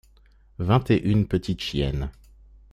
Vingt et une petites chiennes.